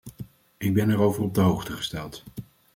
Ik ben erover op de hoogte gesteld.